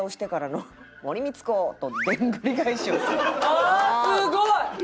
あーすごい！